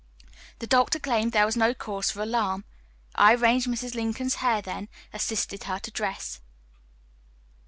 The doctor claimed there was no cause for alarm. I arranged Mrs. Lincoln's hair, then assisted her to dress.